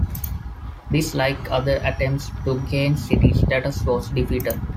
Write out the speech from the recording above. This, like other attempts to gain city status, was defeated.